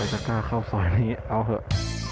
ใครจะกล้าเข้าซอยนี้เอาเหอะ